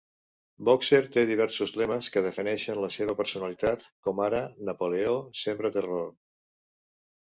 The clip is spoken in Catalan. Boxer té diversos lemes que defineixen la seva personalitat, com ara: Napoleó sempre te raó.